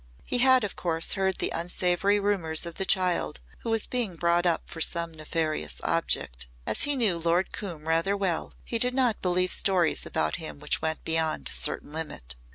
He had, of course, heard the unsavoury rumours of the child who was being brought up for some nefarious object. As he knew Lord Coombe rather well he did not believe stories about him which went beyond a certain limit.